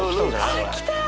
あっ来た！